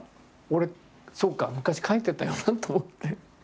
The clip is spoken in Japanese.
俺そうか昔描いてたよなと思って。